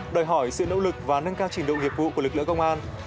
đòi hỏi sự nỗ lực và nâng cao trình độ nghiệp vụ của lực lượng công an